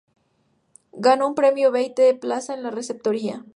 Ganó un premio Bate de Plata en la receptoría.